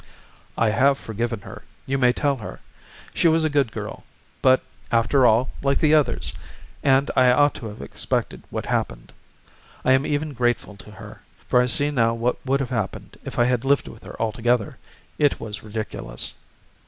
"I have forgiven her, you may tell her. She was a good girl; but, after all, like the others, and I ought to have expected what happened. I am even grateful to her, for I see now what would have happened if I had lived with her altogether. It was ridiculous."